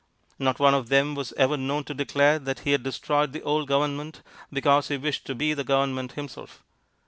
Not one of them was ever known to declare that he had destroyed the old government because he wished to be the government himself.